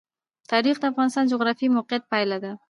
تاریخ د افغانستان د جغرافیایي موقیعت پایله ده.